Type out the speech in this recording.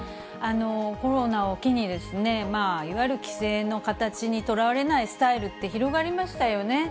コロナを機に、いわゆる既成の形にとらわれないスタイルって広がりましたよね。